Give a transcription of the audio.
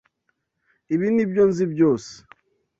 Ibi nibyo nzi byose